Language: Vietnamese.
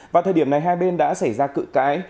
vào thời điểm này hai bên đã xảy ra cự cãi